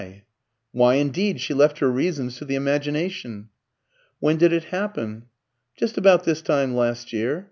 "Why indeed! She left her reasons to the imagination." "When did it happen?" "Just about this time last year.